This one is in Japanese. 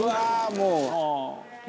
もう」